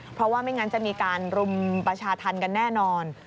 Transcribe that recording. เพราะว่าไม่งั้นจะมีการรุมประชาธรรมกันแน่นอน